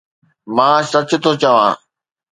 مان سچ ٿو چوان